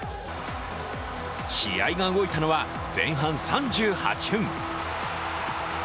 試合が動いたのは前半３８分。